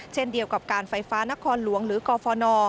เช่นเดียวกับการไฟฟ้านครหลวงหรือกฟน